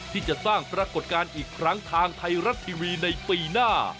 ที่จะสร้างปรากฏการณ์อีกครั้งทางไทยรัฐทีวีในปีหน้า